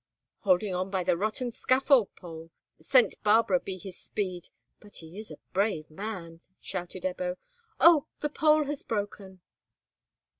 "Holding on by the rotten scaffold pole! St. Barbara be his speed; but he is a brave man!" shouted Ebbo. "Oh! the pole has broken."